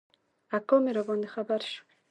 اکا مي راباندي خبر شو .